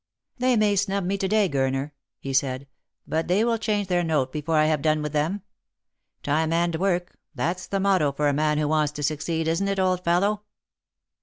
" They may snub me to day, Gurner," he said, " but hey shall change their note before I have done with them. Time and work, that's the motto for a man who wants to succeed, isn't it, old fellow?"